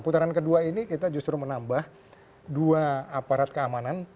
putaran kedua ini kita justru menambah dua aparat keamanan